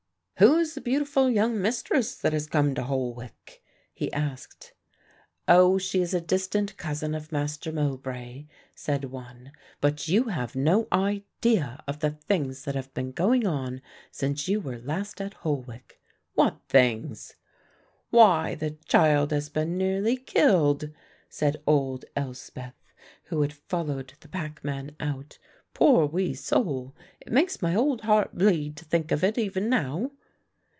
"Who is the beautiful young mistress that has come to Holwick?" he asked. "Oh, she is a distant cousin of Master Mowbray," said one, "but you have no idea of the things that have been going on since you were last at Holwick." "What things?" "Why, the child has been nearly killed," said old Elspeth who had followed the packman out. "Poor wee soul, it makes my old heart bleed to think of it even now."